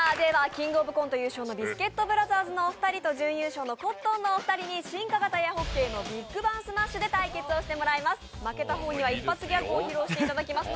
「キングオブコント」優勝のビスケットブラザーズのお二人と準優勝のコットンのお二人に進化型エアホッケーのビッグバンスマッシュで対決していただきます。